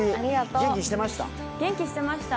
元気してました。